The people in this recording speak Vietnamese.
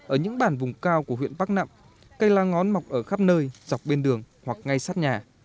ở những bản vùng cao của huyện bắc nậm cây lá ngón mọc ở khắp nơi dọc bên đường hoặc ngay sát nhà